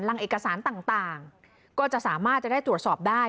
เอกสารต่างก็จะสามารถจะได้ตรวจสอบได้